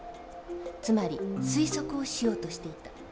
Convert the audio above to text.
つまり推測をしようとしていた。